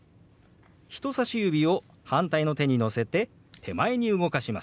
人さし指を反対の手に乗せて手前に動かします。